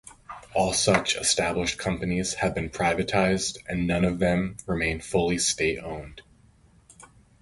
All such established companies have been privatised and none of them remain fully state-owned.